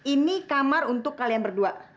ini kamar untuk kalian berdua